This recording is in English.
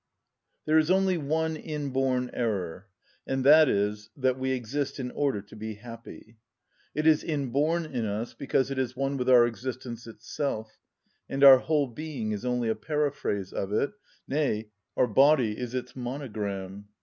There is only one inborn error, and that is, that we exist in order to be happy. It is inborn in us because it is one with our existence itself, and our whole being is only a paraphrase of it, nay, our body is its monogram.